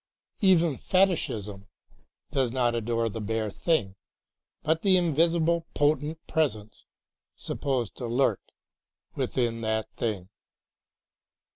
Even fetichism does not adore the bare thing, but the invisible potent presence supposed to lurk within that thing.